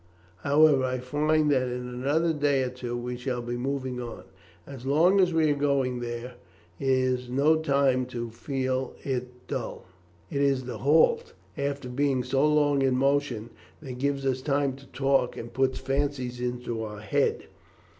However, I hope that in another day or two we shall be moving on. As long as we are going there is no time to feel it dull; it is the halt, after being so long in motion, that gives us time to talk, and puts fancies into our heads.